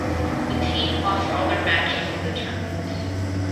The team lost all their matches in the tournament.